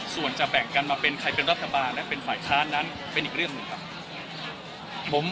ส่วนจะแบ่งกันมาเป็นใครเป็นรัฐบาลและเป็นฝ่ายค้านนั้นเป็นอีกเรื่องหนึ่งครับ